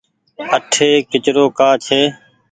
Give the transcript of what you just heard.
اٺي ڪچرو ڪآ ڇي ۔